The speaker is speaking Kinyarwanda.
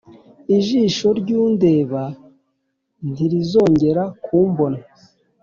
ijisho ry’undeba ntirizongera kumbona